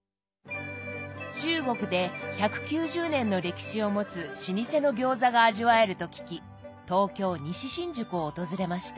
中国で１９０年の歴史を持つ老舗の餃子が味わえると聞き東京・西新宿を訪れました。